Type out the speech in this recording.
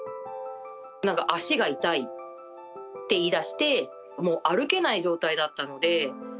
なんか、足が痛いって言いだして、もう歩けない状態だったので。